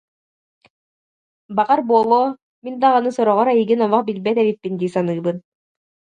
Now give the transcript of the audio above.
Баҕар буолуо, мин даҕаны сороҕор эйигин олох билбэт эбиппин дии саныыбын